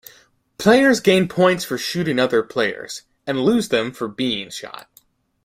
Players gain points for shooting other players, and lose them for being shot.